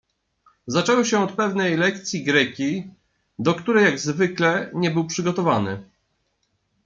Zaczęło się od pewnej lek cji greki, do której — jak zwykle — nie był przygotowany.